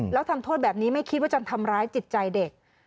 แล้วทำโทษแบบนี้ไม่คิดว่าจะทำร้ายจิตใจเด็ก